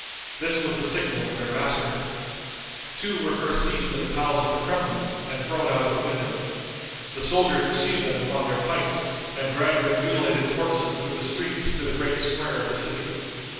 This was the signal for their massacre. Two were first seized in the palace of the Kremlin, and thrown out of the window. The soldiers received them upon their pikes, and dragged their mutilated corpses through the streets to the great square of the city.